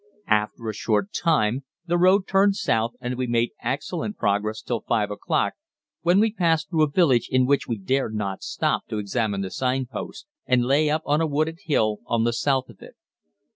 After a short time the road turned south and we made excellent progress till 5 o'clock, when we passed through a village in which we dared not stop to examine the sign post, and lay up on a wooded hill on the south of it.